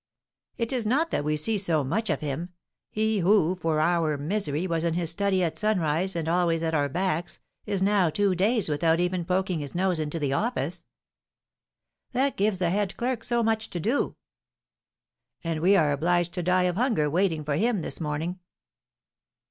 "It is not that we see so much of him. He who, for our misery, was in his study at sunrise, and always at our backs, is now two days without even poking his nose into the office." "That gives the head clerk so much to do." "And we are obliged to die of hunger waiting for him this morning."